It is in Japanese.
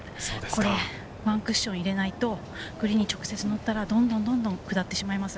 これワンクッション入れないと、グリーンに直接乗ったら、どんどん下ってしまいます。